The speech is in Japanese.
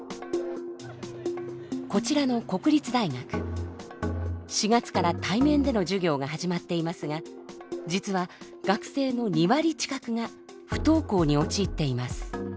こちらの国立大学４月から対面での授業が始まっていますが実は学生の２割近くが不登校に陥っています。